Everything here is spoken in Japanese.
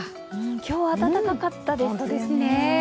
今日は暖かかったですよね。